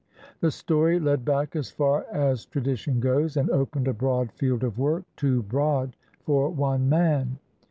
The story led back as far as tradition goes, and opened a broad field of work, too broad for one man.